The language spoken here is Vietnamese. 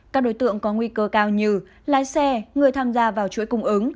các đối tượng có nguy cơ cao như lái xe người tham gia vào chuỗi cung ứng